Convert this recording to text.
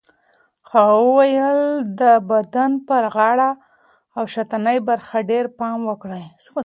هغه وویل د بدن پر غاړه او شاتنۍ برخه ډېر پام وکړئ.